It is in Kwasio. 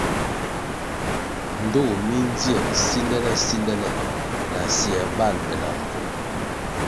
Ndtoh mi ndzier sindele-sindele asier bal be na mbvul.